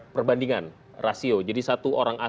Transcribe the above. perbandingan rasio satu banding sepuluh